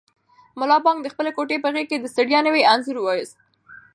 ملا بانګ د خپلې کوټې په غېږ کې د ستړیا نوی انځور وایست.